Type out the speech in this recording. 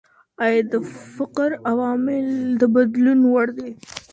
ايا د فقر عوامل د بدلون وړ دي؟